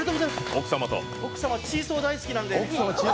奥様、チーソー大好きなんで。